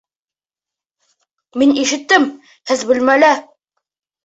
Мин ишеттем, һеҙ бүлмәлә!